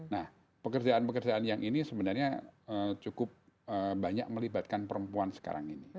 nah pekerjaan pekerjaan yang ini sebenarnya cukup banyak melibatkan perempuan sekarang ini